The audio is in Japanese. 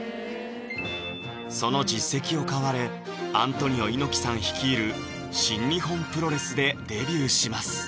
その実績を買われアントニオ猪木さん率いる新日本プロレスでデビューします